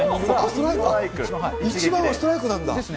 一番はストライクなんだ？ですね。